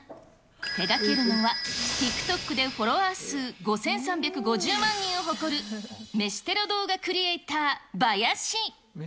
手がけるのは、ＴｉｋＴｏｋでフォロワー数５３５０万人を誇る、飯テロ動画クリエーター、バヤシ。